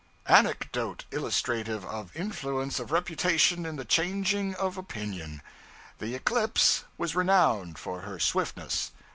Anecdote illustrative of influence of reputation in the changing of opinion. The 'Eclipse' was renowned for her swiftness.